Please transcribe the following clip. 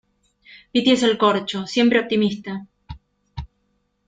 piti es el corcho. siempre optimista